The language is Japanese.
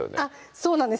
そうなんです